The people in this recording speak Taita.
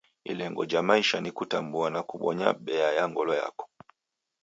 Ilengo ja maisha ni kutambua na kubonya bea ya ngolo yako.